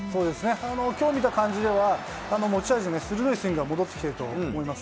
きょう見た感じでは、持ち味の鋭いスイングが戻ってきてると思います。